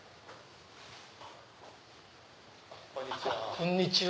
こんにちは。